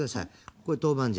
これ豆板醤。